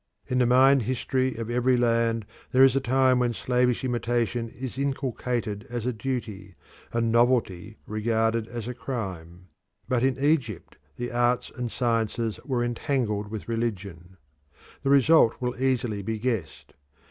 In the mind history of every land there is a time when slavish imitation is inculcated as a duty, and novelty regarded as a crime. But in Egypt the arts and sciences were entangled with religion. The result will easily be guessed.